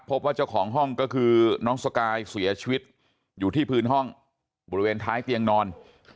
พบว่าเจ้าของห้องก็คือน้องสกายเสียชีวิตอยู่ที่พื้นห้องบริเวณท้ายเตียงนอน